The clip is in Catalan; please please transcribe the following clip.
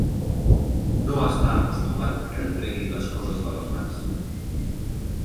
No està acostumat a que li prenguin les coses de les mans.